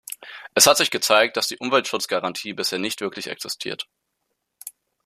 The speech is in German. Es hat sich gezeigt, dass die Umweltschutzgarantie bisher nicht wirklich existiert.